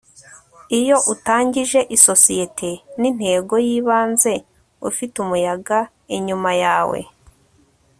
iyo utangije isosiyete, ni intego yibanze. ufite umuyaga inyuma yawe